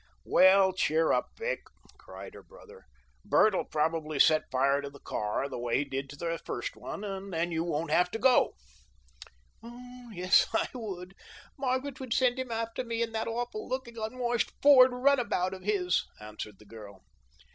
"Well, cheer up, Vic," cried her brother. "Bert'll probably set fire to the car, the way he did to their first one, and then you won't have to go." "Oh, yes, I would; Margaret would send him after me in that awful looking, unwashed Ford runabout of his," answered the girl.